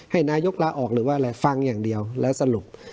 ให้นายกลาออกหรือว่าอะไรฟังอย่างเดียวแล้วสรุป